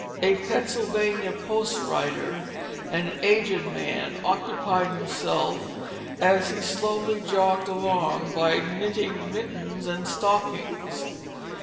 A Pennsylvania post rider, an aged man, occupied himself as he slowly jogged along by knitting mittens and stockings.